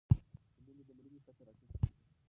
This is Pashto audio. د مېندو د مړینې کچه راټیټه کړئ.